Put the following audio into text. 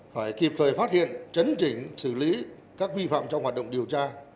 phải kịp thời phát hiện chấn chỉnh xử lý các vi phạm trong hoạt động điều tra